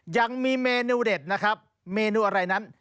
ยังมีเมนูเด็ดเมนูอะไรนั้น